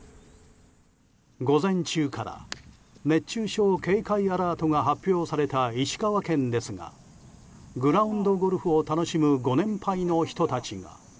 午前中から熱中症警戒アラートが発表された石川県ですがグラウンドゴルフを楽しむご年配の人たちが。